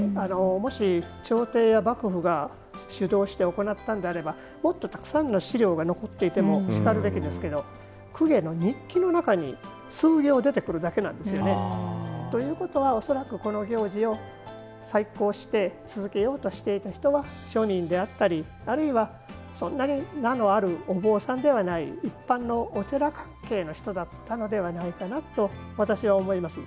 もし朝廷や幕府が主導して行ったのであればもっとたくさんの資料が残っていてもしかるべきですけど公家の日記の中に数行出てくるだけなんですよね。ということは恐らく、この行事を催行して続けようとしていた人は庶民であったりあるいは、そんなに名のあるお坊さんではない一般のお寺関係の人だったのではと私は思います。